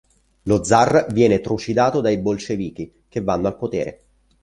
Lo Zar viene trucidato dai Bolscevichi che vanno al potere.